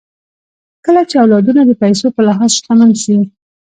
کله چې اولادونه د پيسو په لحاظ شتمن سي